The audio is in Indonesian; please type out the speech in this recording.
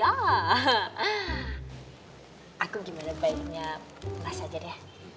aku gimana baiknya mas aja deh